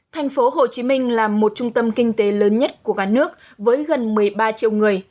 tp hcm là một trung tâm kinh tế lớn nhất của cả nước với gần một mươi ba triệu người